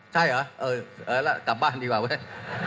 ใช่เหรอเออแล้วกลับบ้านดีกว่าเว้ย